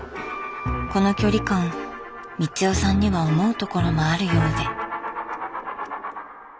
この距離感光代さんには思うところもあるようで。